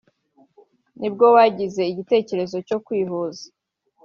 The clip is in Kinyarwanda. nibwo bagize igitekerezo cyo kwihuza